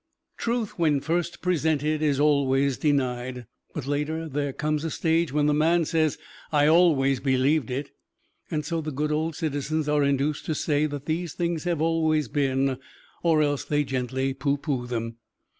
Truth when first presented is always denied, but later there comes a stage when the man says, "I always believed it." And so the good old citizens are induced to say that these things have always been, or else they gently pooh pooh them.